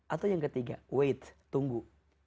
atau yang ketiga waits tunggu